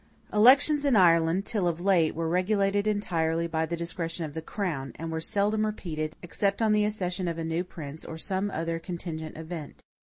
Elections in Ireland, till of late, were regulated entirely by the discretion of the crown, and were seldom repeated, except on the accession of a new prince, or some other contingent event.